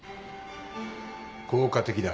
効果的だ。